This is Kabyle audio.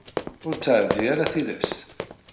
Ur ttεeddi ara tilas.